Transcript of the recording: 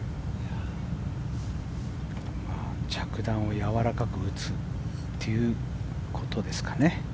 着弾を柔らかく打つということですかね。